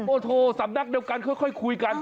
โอ้โหสำนักเดียวกันค่อยคุยกัน